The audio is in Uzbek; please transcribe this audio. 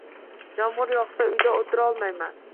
Yomg‘ir yog‘sa uyda o‘tirolmayman